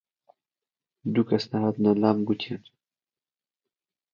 دوو کەس هاتنە لام گوتیان: